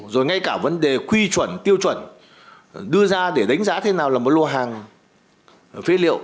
rồi ngay cả vấn đề quy chuẩn tiêu chuẩn đưa ra để đánh giá thế nào là một lô hàng phế liệu